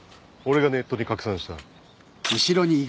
俺がネットに拡散した。